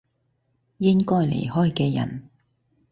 應該離開嘅人